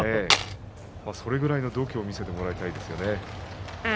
それくらいの度胸を見せてもらいたいですよね。